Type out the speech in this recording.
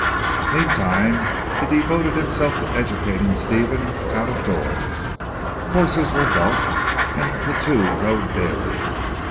Meantime he devoted himself to educating Stephen out of doors. Horses were bought and the two rode daily.